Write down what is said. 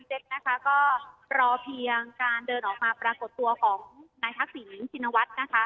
เพราะเพียงการเดินออกมาปรากฏตัวของนายทักษินชินวัฒน์